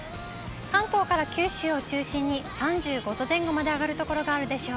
関東から九州を中心に、３５度前後まで上がる所があるでしょう。